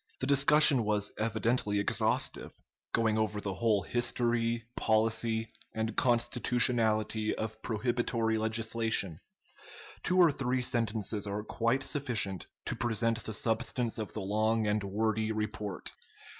The discussion was evidently exhaustive, going over the whole history, policy, and constitutionality of prohibitory legislation. Two or three sentences are quite sufficient to present the substance of the long and wordy report.